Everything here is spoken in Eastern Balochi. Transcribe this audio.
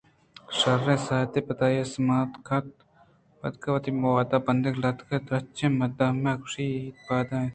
شرّیں ساعتے ءَ پدآئی ءَسما کُتءُپاداتک ءُوتی موداں بندگءَ لگ اِت درٛاجیں دمے کش اِت ءُپاد اتک